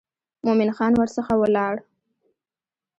مومن خان ورڅخه ولاړ.